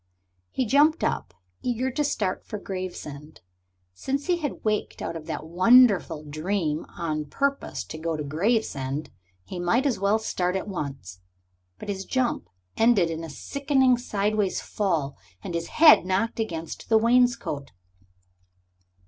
He jumped up, eager to start for Gravesend. Since he had wakened out of that wonderful dream on purpose to go to Gravesend, he might as well start at once. But his jump ended in a sickening sideways fall, and his head knocked against the wainscot.